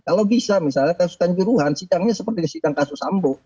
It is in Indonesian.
kalau bisa misalnya kasuskan juruhan sidangnya seperti sidang kasus ambo